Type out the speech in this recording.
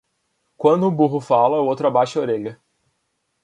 Quando um burro fala, o outro abaixa a orelha